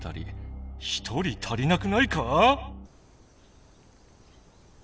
１人足りなくないか？